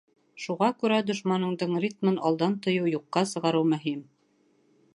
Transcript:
Шуға күрә дошманыңдың ритмын алдан тойоу, юҡҡа сығарыу мөһим.